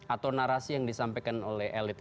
atau narasi yang disampaikan oleh elit